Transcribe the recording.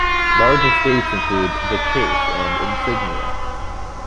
Large estates include "The Chase" and "Insignia".